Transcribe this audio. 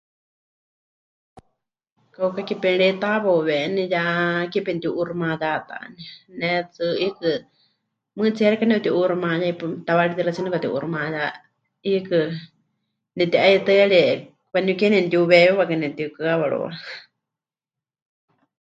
Kauka ke pemɨreitawauweni ya ke pemɨtiu'uuximayátani, ne tsɨ 'iikɨ mɨɨkɨtsie xeikɨ́a nepɨti'uuximayá hipa..., tawaarí tixaɨtsie nepɨkati'uuximayá, 'iikɨ nepɨti'aitɨ́arie waaníu ke nemɨtiuweewiwakɨ nepɨtikɨhɨawarɨwa.